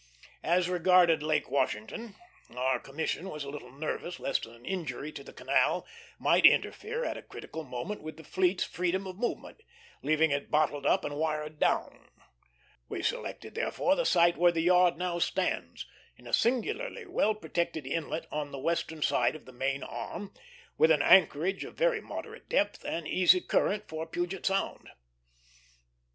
As regarded Lake Washington, our commission was a little nervous lest an injury to the canal might interfere at a critical moment with the fleet's freedom of movement, leaving it bottled up, and wired down. We selected, therefore, the site where the yard now stands, in a singularly well protected inlet on the western side of the main arm, with an anchorage of very moderate depth and easy current for Puget Sound.